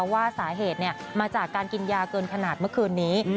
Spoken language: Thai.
ว่าสาเหตุมาจากการกินยาเกินขนาดเมื่อคืนนี้